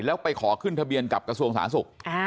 แล้วไปขอขึ้นทะเบียนกับกระทรวงสาธารณสุข